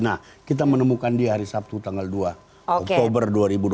nah kita menemukan dia hari sabtu tanggal dua oktober dua ribu dua puluh